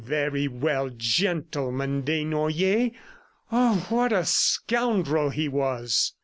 Very well, Gentleman Desnoyers! ... Ah, what a scoundrel he was!